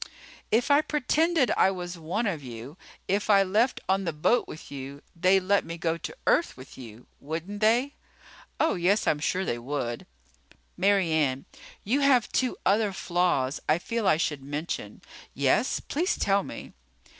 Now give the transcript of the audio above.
"If I pretended I was one of you, if I left on the boat with you, they'd let me go to Earth with you. Wouldn't they?" "Oh, yes, I'm sure they would." "Mary Ann, you have two other flaws I feel I should mention." "Yes? Please tell me."